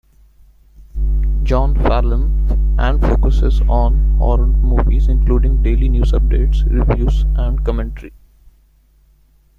John Fallon, and focuses on horror movies including daily news updates, reviews, and commentary.